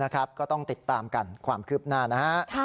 ก็ต้องติดตามกันความคืบหน้านะฮะ